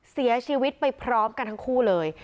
เสียชีวิตไปพร้อมกันทั้งคู่เลย